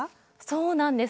そうなんです。